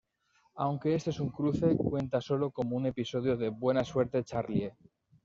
Aunque este es un cruce, cuenta sólo como un episodio de "¡Buena Suerte, Charlie!".